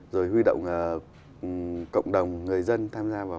rồi huy động cộng đồng người dân tham gia vào